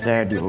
kayak buku itu